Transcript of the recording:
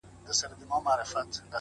علم د انسان ځواک زیاتوي؛